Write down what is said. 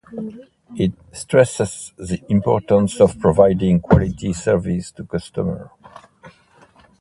It stresses the importance of providing quality service to customers.